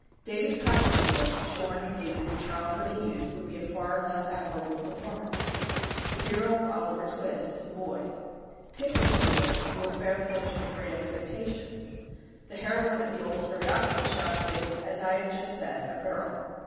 "David Copperfield" shorn of David's childhood and youth would be a far less admirable performance. The hero of "Oliver Twist" is a boy. Pip is a boy through a fair portion of "Great Expectations." The heroine of "The Old Curiosity Shop" is, as I have just said, a girl.